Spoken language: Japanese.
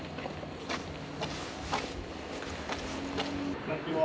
こんにちは。